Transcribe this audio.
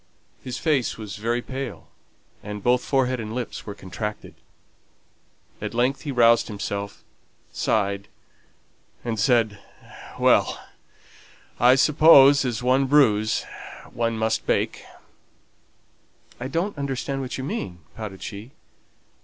His face was very pale, and both forehead and lips were contracted. At length he roused himself, sighed, and said, "Well! I suppose as one brews one must bake." "I don't understand what you mean," pouted she.